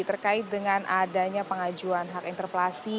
terkait dengan adanya pengajuan hak interpelasi